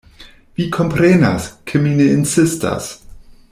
Vi komprenas, ke mi ne insistas.